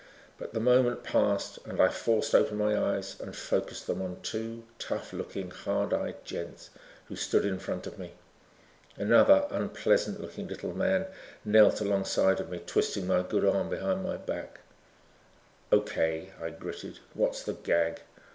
But the moment passed and I forced open my eyes and focused them on two tough looking, hard eyed gents who stood in front of me. Another unpleasant looking little man knelt along side of me, twisting my good arm behind my back. "Okay," I gritted, "what's the gag?"